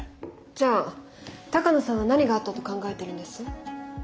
じゃあ鷹野さんは何があったと考えてるんです？